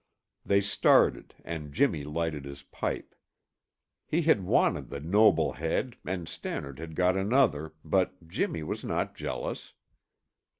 They started and Jimmy lighted his pipe. He had wanted the noble head and Stannard had got another, but Jimmy was not jealous.